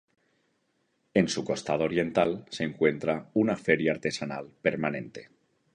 En su costado oriental se encuentra una feria artesanal permanente.